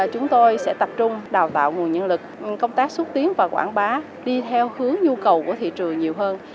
chúng tôi sẽ tập trung đào tạo nguồn nhân lực công tác xúc tiến và quảng bá đi theo hướng nhu cầu của thị trường nhiều hơn